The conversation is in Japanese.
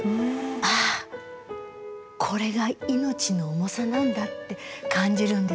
「ああこれが命の重さなんだ」って感じるんですよ。